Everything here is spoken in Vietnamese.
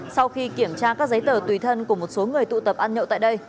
sau khi kiểm tra các giấy tờ tùy thân của một số người tụ tập ăn nhậu tại đây